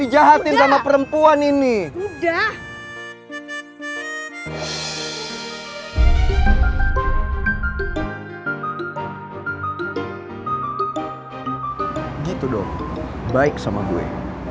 dijahatin sama perempuan ini udah gitu dong baik sama gue